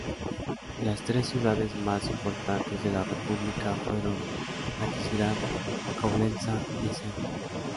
Las tres ciudades más importantes de la república fueron Aquisgrán, Coblenza y Essen.